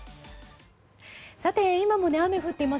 今も雨が降っています。